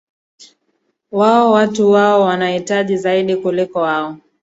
wao ee watu wao wanawahitaji zaidi kuliko wao